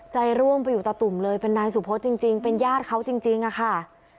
ร่วงไปอยู่ตาตุ่มเลยเป็นนายสุพศจริงเป็นญาติเขาจริงอะค่ะ